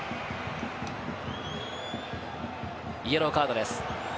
イエローカードです。